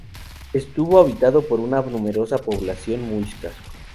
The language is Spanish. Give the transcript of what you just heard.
Estuvo habitado por una numerosa población muisca.